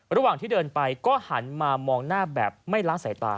ระหว่างที่เดินไปก็หันมามองหน้าแบบไม่ละสายตา